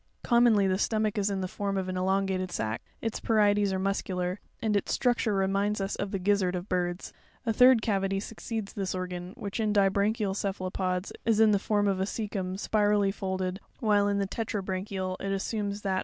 Com monly the stom ach is in the form of an elongated sack ; its parietes are muscular, and its structure re minds us of the gizzard of birds. A third cavity (s) succeeds this or gan, which, in di branchial cepha lopods, is in the form of a caecum spirally folded, while in the tetra branchial, it as sumes that of a spherical sack in Fig.